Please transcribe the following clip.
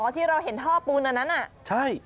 อ๋อที่เราเห็นท่อปูนอันนั้นนะ